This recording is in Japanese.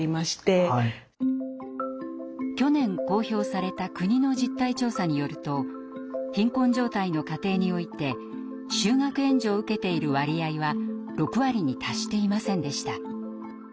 去年公表された国の実態調査によると貧困状態の家庭において就学援助を受けている割合は６割に達していませんでした。